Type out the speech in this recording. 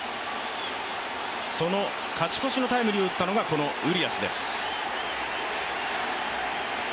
その勝ち越しのタイムリーを打ったのがウリアスです。